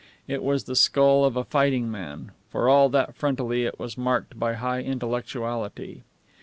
It was the skull of a fighting man, for all that frontally it was marked by a high intellectuality.